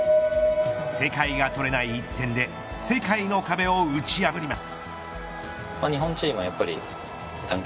世界が取れない１点で世界の壁を打ち破ります。